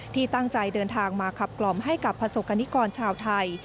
ที่ตั้งใจเดินทางมาขับกล่อมให้กับประสบกรณิกรชาวไทย